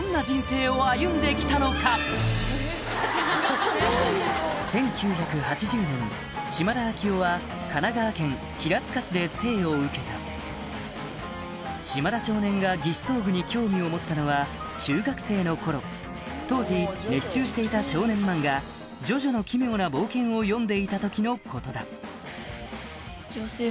緒とは一体島田旭緒は島田少年が義肢装具に興味を持ったのは中学生の頃当時熱中していた少年漫画『ジョジョの奇妙な冒険』を読んでいた時のことだ